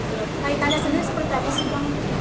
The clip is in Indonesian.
berkait anda sendiri seperti apa sih